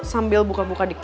sambil buka buka diketat